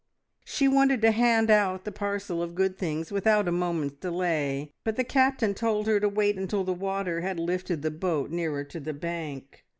She wanted to hand out the parcel of good things without a moment's delay, but the Captain told her to wait until the water had lifted the boat nearer to the bank.